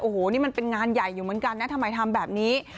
โอ้โหนี่มันเป็นงานใหญ่อยู่เหมือนกันนะทำไมทำแบบนี้